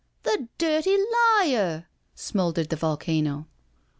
" The dirty liar," smouldered the volcano.